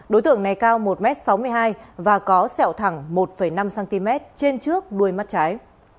đối tượng này cao một sáu mươi hai m và có sẹo thẳng một năm cm trên trước đôi mắt trái